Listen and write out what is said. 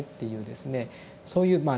そういうまあ